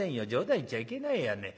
冗談言っちゃいけないやね」。